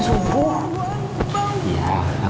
keseluruhan weilah allah